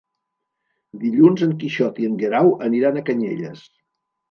Dilluns en Quixot i en Guerau aniran a Canyelles.